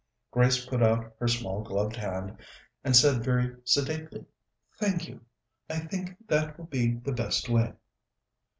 Grace put out her small gloved hand and said very sedately: "Thank you; I think that will be the best way."